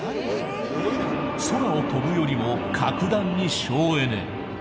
空を飛ぶよりも格段に省エネ。